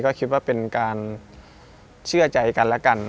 ก็คิดว่าเป็นการเชื่อใจกันและกัน